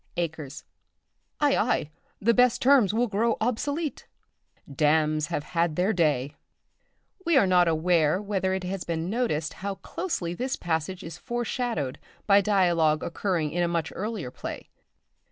"Acres. Ay, ay, the best terms will grow obsolete. Damns have had their day." We are not aware whether it has been noticed how closely this passage is foreshadowed by dialogue occurring in a much earlier play.